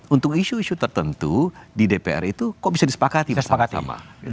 untuk isu isu tertentu di dpr itu kok bisa disepakati